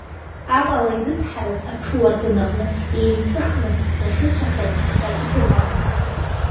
Амала ирыцҳараз, аҽуардын аҟны иееиҵыхны дахьыцәашаз ҳәа ҭыԥ ыҟамызт.